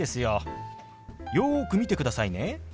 よく見てくださいね。